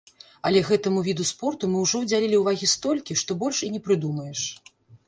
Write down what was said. Але гэтаму віду спорту мы ўжо ўдзялілі ўвагі столькі, што больш і не прыдумаеш.